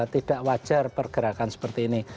tidak wajar pergerakan seperti ini